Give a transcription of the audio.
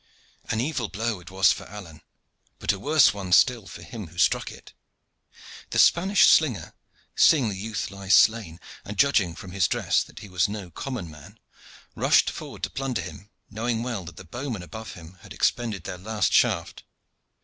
An evil blow it was for Alleyne, but a worse one still for him who struck it. The Spanish slinger, seeing the youth lie slain, and judging from his dress that he was no common man, rushed forward to plunder him, knowing well that the bowmen above him had expended their last shaft.